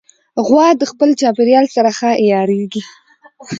غوا د خپل چاپېریال سره ښه عیارېږي.